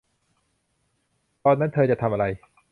ตอนนั้นเธอจะทำอะไร